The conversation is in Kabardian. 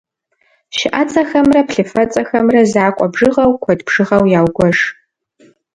Щыӏэцӏэхэмрэ плъыфэцӏэхэмрэ закъуэ бжыгъэу, куэд бжыгъэу яугуэш.